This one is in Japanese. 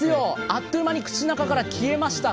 あっという間に口の中から消えました。